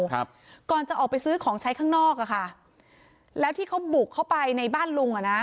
ครับก่อนจะออกไปซื้อของใช้ข้างนอกอ่ะค่ะแล้วที่เขาบุกเข้าไปในบ้านลุงอ่ะนะ